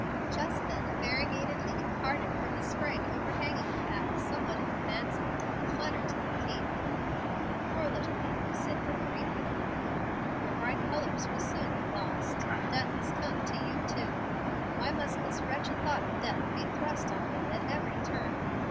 Just then a variegated leaf parted from a spray overhanging the path somewhat in advance of them, and fluttered to their feet. "Poor little leaf!" said Gregory, picking it up, "your bright colors will soon be lost. Death has come to you too. Why must this wretched thought of death be thrust on one at every turn?